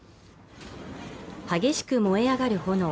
激しく燃え上がる炎。